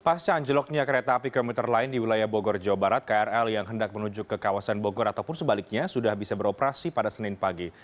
pasca anjloknya kereta api komuter lain di wilayah bogor jawa barat krl yang hendak menuju ke kawasan bogor ataupun sebaliknya sudah bisa beroperasi pada senin pagi